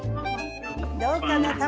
どうかな。